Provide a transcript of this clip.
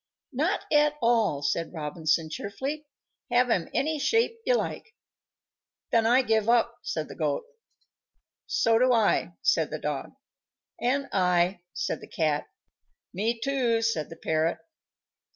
"Not at all," said Robinson, cheerfully. "Have 'em any shape you like." "Then I give it up," said the Goat. "So do I," said the Dog. "And I," said the Cat. "Me, too," said the Parrot.